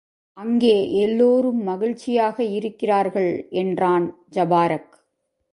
அங்கே எல்லோரும் மகிழ்ச்சியாக இருக்கிறார்கள் என்றான் ஜபாரக்.